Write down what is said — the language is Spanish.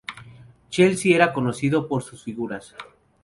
Chelsea era conocido por sus figuras.